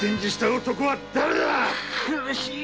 苦しい。